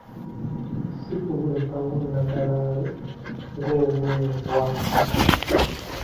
Si kubulekaawo nnagalaale ng‘obwembwa.